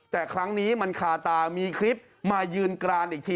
แต่ครั้งนี้มันคาตามีคลิปมายืนกรานอีกที